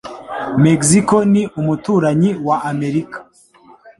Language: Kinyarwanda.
Mexico ni umuturanyi wa Amerika.